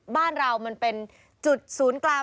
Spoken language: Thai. บ้านเรามันเป็นจุดศูนย์กลาง